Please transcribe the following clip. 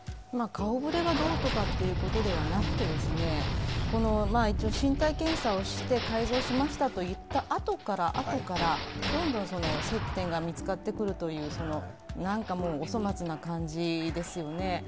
顔ぶれがどうということよりも身体検査をして改造しましたといったあとからあとからどんどん接点が見つかってくるという、なんかもうお粗末な感じですよね。